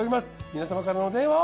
皆様からのお電話を。